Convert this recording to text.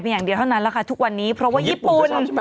อย่างเดียวเท่านั้นแหละค่ะทุกวันนี้เพราะว่าญี่ปุ่น